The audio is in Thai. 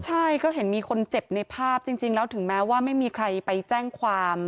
ใช่ก็เห็นมีคนเจ็บในภาพจริงแล้วถึงแม้ว่าไม่มีใครไปแจ้งความ